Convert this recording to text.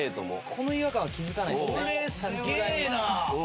この違和感は気付かない。